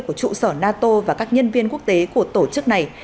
của trụ sở nato và các nhân viên quốc tế của tổ chức này